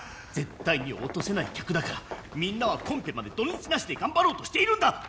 絶対に落とせない客だからみんなはコンペまで土日なしで頑張ろうとしているんだ！